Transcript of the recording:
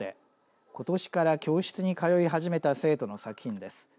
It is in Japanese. ことしから教室に通い始めた生徒の作品です。